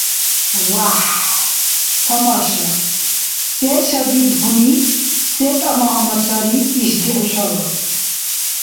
ВяхӀхӀ! Тамаша! Се шадибгьуни, се тӀама-гьама сари ишди хӀушала?